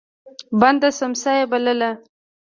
بنده سمڅه يې بلله.